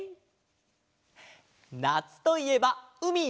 なつといえばうみ！